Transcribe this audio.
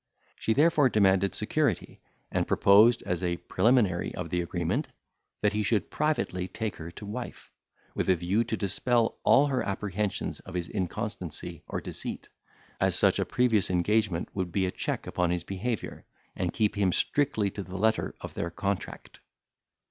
She therefore demanded security, and proposed, as a preliminary of the agreement, that he should privately take her to wife, with a view to dispel all her apprehensions of his inconstancy or deceit, as such a previous engagement would be a check upon his behaviour, and keep him strictly to the letter of their contract.